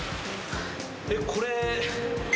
えっ？これ。